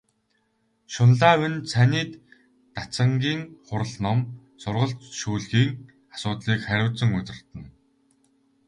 Шунлайв нь цанид дацангийн хурал ном, сургалт шүүлгийн асуудлыг хариуцан удирдана.